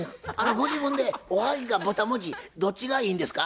ご自分でおはぎかぼたもちどっちがいいんですか？